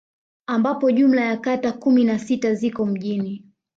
Ambapo jumla ya kata kumi na sita ziko mjini